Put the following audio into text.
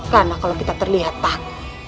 karena kalau kita terlihat takut